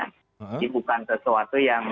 ini bukan sesuatu yang